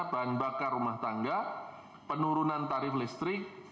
bahan bakar rumah tangga penurunan tarif listrik